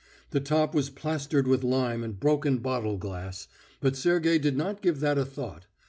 The top was plastered with lime and broken bottle glass, but Sergey did not give that a thought.